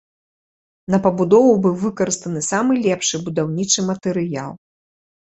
На пабудову быў выкарыстан самы лепшы будаўнічы матэрыял.